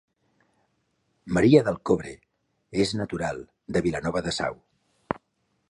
Maria del Cobre és natural de Vilanova de Sau